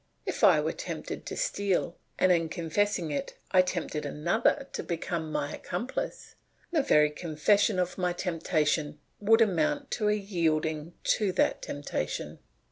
If I were tempted to steal, and in confessing it I tempted another to become my accomplice, the very confession of my temptation would amount to a yielding to that temptation.